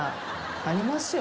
ありますよ